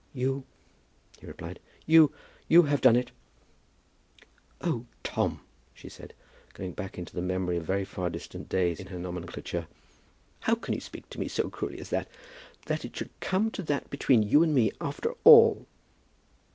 "You," he replied. "You; you have done it." "Oh, Tom," she said, going back into the memory of very far distant days in her nomenclature, "how can you speak to me so cruelly as that! That it should come to that between you and me, after all!"